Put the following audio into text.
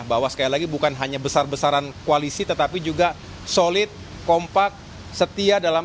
bahwa sekali lagi bukan hanya besar besaran koalisi tetapi juga solid kompak setia dalam